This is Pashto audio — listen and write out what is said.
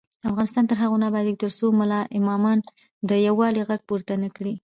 افغانستان تر هغو نه ابادیږي، ترڅو ملا امامان د یووالي غږ پورته نکړي.